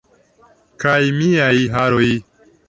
Kaj miaj haroj?